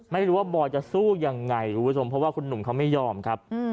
ไม่รู้ว่าบอยจะสู้ยังไงคุณผู้ชมเพราะว่าคุณหนุ่มเขาไม่ยอมครับ